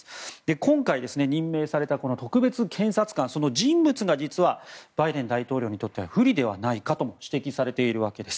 今回、任命された特別検察官の人物が実はバイデン大統領にとっては不利ではないかと指摘されているわけです。